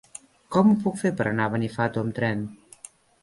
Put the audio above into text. Com ho puc fer per anar a Benifato amb tren?